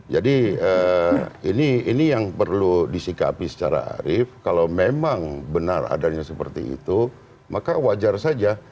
jadi ini yang perlu disikapi secara arif kalau memang benar adanya seperti itu maka wajar saja